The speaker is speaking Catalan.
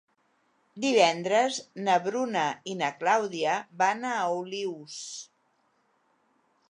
Divendres na Bruna i na Clàudia van a Olius.